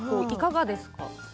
いかがですか？